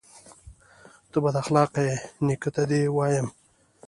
_ته بد اخلاقه يې، نيکه ته دې وايم.